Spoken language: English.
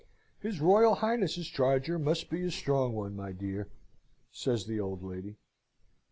His Royal Highness's charger must be a strong one, my dear!" says the old lady.